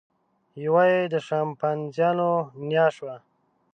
یوه یې د شامپانزیانو نیا شوه.